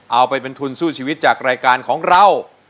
เอาไปเป็นทุนสู้ชีวิตจากรายการของเรา